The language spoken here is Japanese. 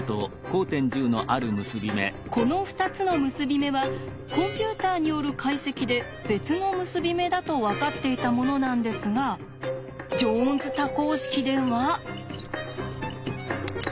この２つの結び目はコンピューターによる解析で別の結び目だと分かっていたものなんですがジョーンズ多項式では。